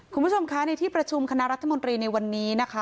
คุณผู้ชมคะในที่ประชุมคณะรัฐมนตรีในวันนี้นะคะ